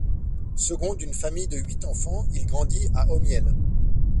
Second d’une famille de huit enfants, il grandit à Homiel.